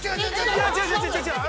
違う違う！